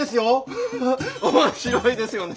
面白いですよね。